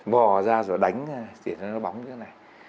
bò ra rồi đánh cho nó bóng như thế này